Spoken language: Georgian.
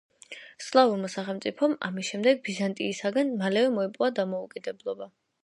სლავურმა სახელმწიფომ ამის შემდეგ ბიზანტიისაგან მალევე მოიპოვა დამოუკიდებლობა.